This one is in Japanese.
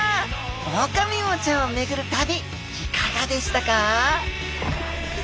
オオカミウオちゃんを巡る旅いかがでしたか？